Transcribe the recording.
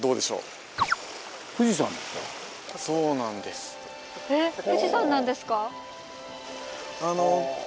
えっ富士山なんですか？